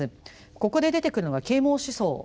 ここで出てくるのが啓蒙思想ですね。